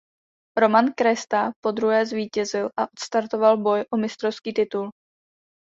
Roman Kresta podruhé zvítězil a odstartoval boj o mistrovský titul.